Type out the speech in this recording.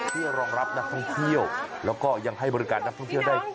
เพื่อรองรับนักท่องเที่ยวแล้วก็ยังให้บริการนักท่องเที่ยวได้